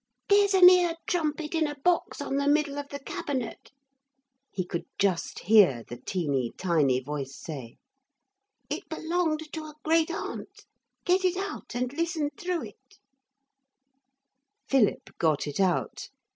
'~There's an ear trumpet in a box on the middle of the cabinet~,' he could just hear the teeny tiny voice say; '~it belonged to a great aunt. Get it out and listen through it~.' Philip got it out.